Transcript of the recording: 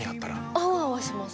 アワアワします